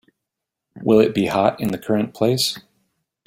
Will it be hot in the current place?